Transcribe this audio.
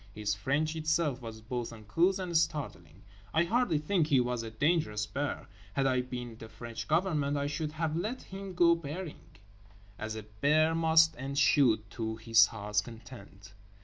His French itself was both uncouth and startling. I hardly think he was a dangerous bear. Had I been the French Government I should have let him go berrying, as a bear must and should, to his heart's content.